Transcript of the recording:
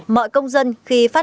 mọi công dân khi phát hiện dịch vụ